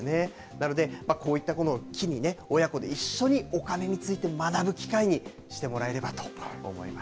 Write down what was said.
なので、こういった機に、親子で一緒にお金について学ぶ機会にしてもらえればと思います。